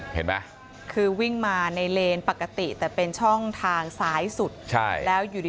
เห็นไหมคือวิ่งมาในเลนปกติแต่เป็นช่องทางซ้ายสุดแล้วอยู่ดี